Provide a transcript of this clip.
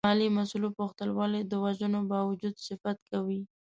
د مالیې مسوول وپوښتل ولې د وژنو باوجود صفت کوې؟